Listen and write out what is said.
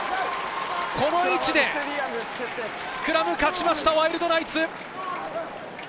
この位置でスクラム勝ちました、ワイルドナイツ。